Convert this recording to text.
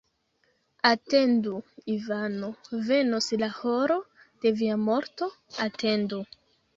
Atendu, Ivano: venos la horo de via morto, atendu!